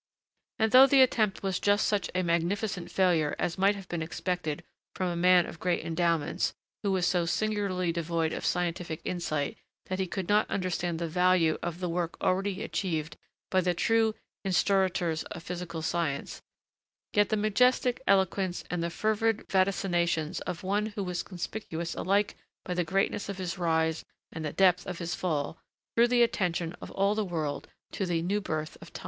And though the attempt was just such a magnificent failure as might have been expected from a man of great endowments, who was so singularly devoid of scientific insight that he could not understand the value of the work already achieved by the true instaurators of physical science; yet the majestic eloquence and the fervid vaticinations of one who was conspicuous alike by the greatness of his rise and the depth of his fall, drew the attention of all the world to the 'new birth of Time.'